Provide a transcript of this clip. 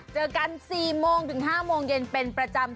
เจอกัน๔โมงถึง๕โมงเย็นเป็นประจำ